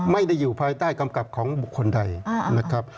อยู่ภายใต้กำกับของบุคคลใดนะครับ